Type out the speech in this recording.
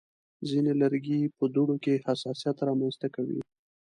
ځینې لرګي په دوړو کې حساسیت رامنځته کوي.